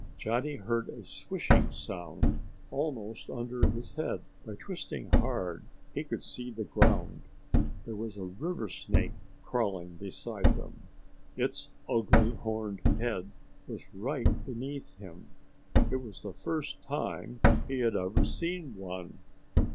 Johnny heard a swishing sound almost under his head. By twisting hard he could see the ground. There was a river snake crawling beside them. Its ugly horned head was right beneath him. It was the first time he had ever seen one.